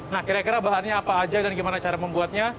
nah kira kira bahannya apa aja dan gimana cara membuatnya